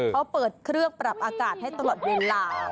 เขาเปิดเครื่องปรับอากาศให้ตลอดเวลา